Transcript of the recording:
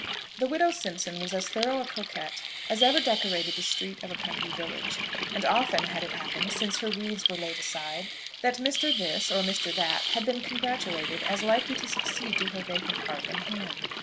The widow Simpson was as thorough a coquette as ever decorated the street of a country village; and often had it happened, since her weeds were laid aside, that Mr. This, or Mr. That, had been congratulated as likely to succeed to her vacant heart and hand.